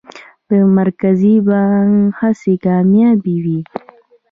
د مرکزي بانک هڅې کامیابه وې؟